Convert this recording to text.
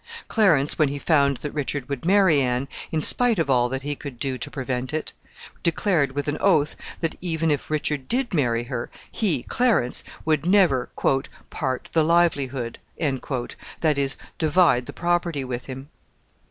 Clarence, when he found that Richard would marry Anne, in spite of all that he could do to prevent it, declared, with an oath, that, even if Richard did marry her, he, Clarence, would never "part the livelihood," that is, divide the property with him.